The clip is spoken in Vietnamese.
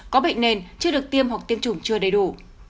có bệnh nền chưa được tiêm hoặc tiêm chủng chưa đầy đủ